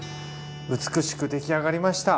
美しくできあがりました。